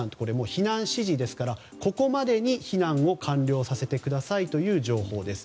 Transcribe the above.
避難指示ですから、ここまでに避難を完了させてくださいという情報です。